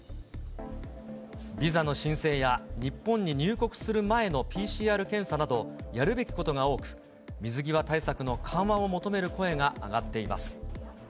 ビザの申請や日本に入国する前のＰＣＲ検査など、やるべきことが多く、水際対策の緩和を求める声が上がっています。